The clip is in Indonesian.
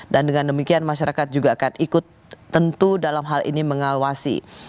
dengan demikian masyarakat juga akan ikut tentu dalam hal ini mengawasi